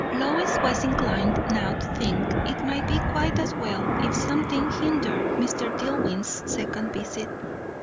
Lois was inclined now to think it might be quite as well if something hindered Mr. Dillwyn's second visit.